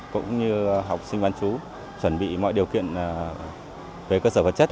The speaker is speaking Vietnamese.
cũng như học sinh bán chú chuẩn bị mọi điều kiện về cơ sở vật chất